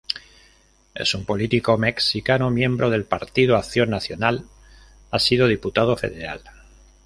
Es un político mexicano, miembro del Partido Acción Nacional, ha sido Diputado Federal.